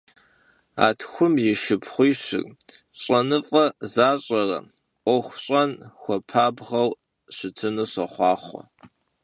A txum yi şşıpxhuişır şenıf'e zaş'ere 'Uexu ş'en xuepabğeu şıtınu soxhuaxhue!